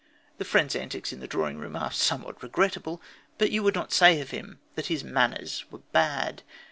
The friend's antics in a drawing room are somewhat regrettable, but you would not say of him that his manners were bad.